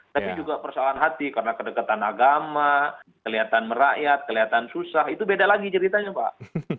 tapi juga persoalan hati karena kedekatan agama kelihatan merakyat kelihatan susah itu beda lagi ceritanya pak